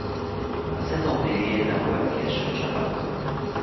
A szezon végén nem volt kieső csapat.